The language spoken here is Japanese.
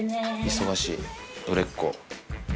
忙しい、売れっ子。